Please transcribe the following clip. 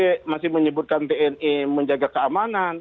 saya masih menyebutkan tni menjaga keamanan